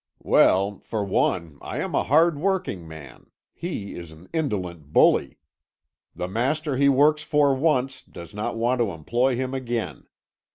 "Well, for one, I am a hard working man; he is an indolent bully. The master he works for once does not want to employ him again.